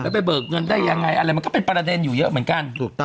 ไปเบิกเงินได้ยังไงมันก็เป็นประเด็นอยู่เยอะเหมือนกัน